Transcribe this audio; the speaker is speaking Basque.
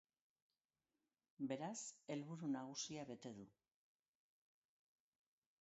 Beraz, helburu nagusia bete du.